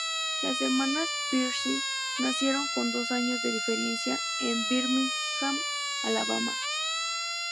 Las hermanas Pierce nacieron con dos años de diferencia en Birmingham, Alabama.